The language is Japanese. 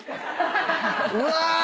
うわ！